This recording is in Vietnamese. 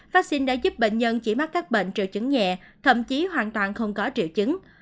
vaccine đã giúp bệnh nhân chỉ mắc các bệnh triệu chứng nhẹ thậm chí hoàn toàn không có triệu chứng